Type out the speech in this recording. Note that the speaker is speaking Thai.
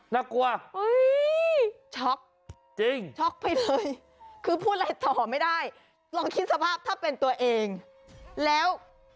นักกลัว